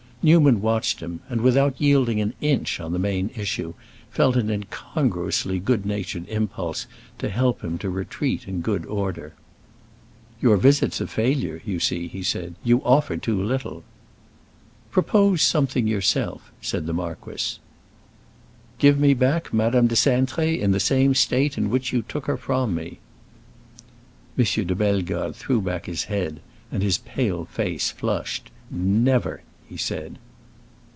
Newman watched him, and, without yielding an inch on the main issue, felt an incongruously good natured impulse to help him to retreat in good order. "Your visit's a failure, you see," he said. "You offer too little." "Propose something yourself," said the marquis. "Give me back Madame de Cintré in the same state in which you took her from me." M. de Bellegarde threw back his head and his pale face flushed. "Never!" he said.